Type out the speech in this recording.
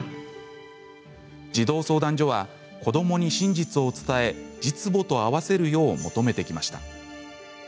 児童相談所は子どもに真実を伝え実母と会わせるよう求めてきました。